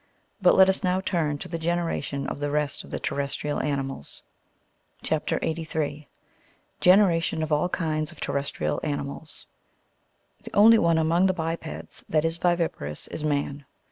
But let us now turn to the generation of the rest of the terrestrial animals. CHAP. 83. (63.) — GENERATION OF ALL KINDS OF TERRESTRIAL ANIMALS. The only one among the bipeds that is viviparous is man.